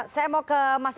saya mau ke mas umar